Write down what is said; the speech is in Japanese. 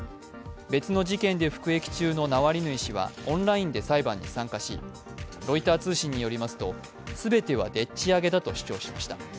別の事件で服役中のナワリヌイ氏はオンラインで裁判に参加し、ロイター通信によりますと、すべてはでっちあげだと主張しました。